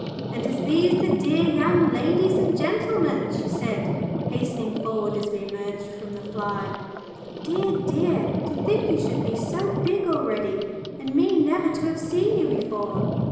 "And is these the dear young ladies and gentleman?" she said, hastening forward as we emerged from the fly. "Dear, dear! to think you should be so big already, and me never to have seen you before!"